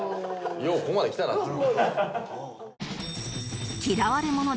ようここまで来たなっていう。